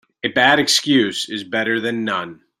A bad excuse is better then none.